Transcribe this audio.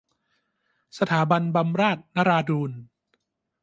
สถาบันบำราศนราดูร